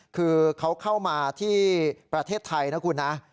คือเขาเข้ามาที่ประเทศไทยนะคุณนะ